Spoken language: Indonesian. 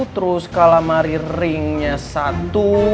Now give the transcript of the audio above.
terus calamari ringnya satu